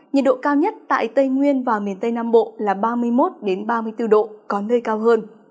nhiệt độ cao nhất tại tây nguyên và miền tây nam bộ là ba mươi một ba mươi bốn độ có nơi cao hơn